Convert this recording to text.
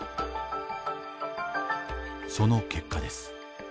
その結果です。